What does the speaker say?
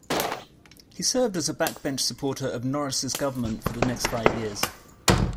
He served as a backbench supporter of Norris's government for the next five years.